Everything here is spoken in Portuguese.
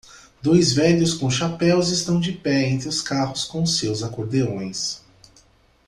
Dois velhos com chapéus estão de pé entre os carros com seus acordeões.